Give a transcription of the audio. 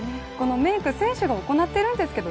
メーク選手が行っているんですけど